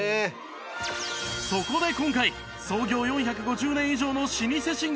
そこで今回創業４５０年以上の老舗寝具